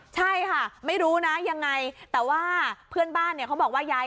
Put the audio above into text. จากการที่ผู้ศิลป์ของเราเข็นสอบถามจากคุณยาย